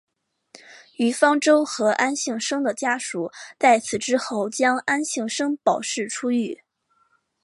于方舟和安幸生的家属在此之后将安幸生保释出狱。